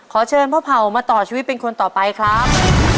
เชิญพ่อเผ่ามาต่อชีวิตเป็นคนต่อไปครับ